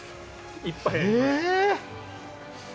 いっぱいあります。